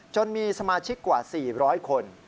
จนมีสมาชิกกว่า๔๐๐คน